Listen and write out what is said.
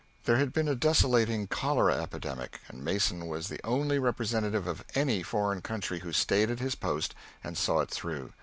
There had been a desolating cholera epidemic, and Mason was the only representative of any foreign country who stayed at his post and saw it through.